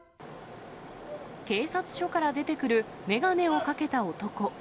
警察署から出てくる眼鏡をかけた男。